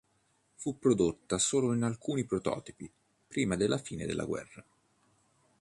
Fu prodotta solo in alcuni prototipi prima della fine della guerra.